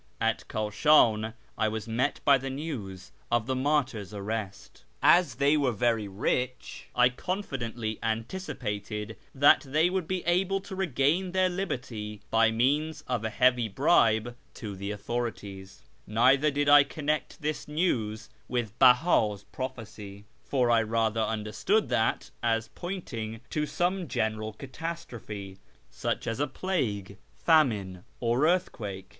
At Kashi'iii I was met by the news of the martyrs' arrest. As they were very rich I confidently anticipated that they would be able to regain their liberty by means of a heavy bribe to the authorities ; neither did I connect this news with Belui's prophecy, for I rather under stood that as pointing to some general catastrophe, such as a plague, famine, or earthquake.